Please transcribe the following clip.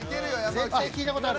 絶対聞いた事ある。